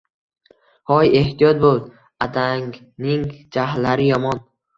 Hoy, ehtiyot bo‘l, adangning jahllari yomon.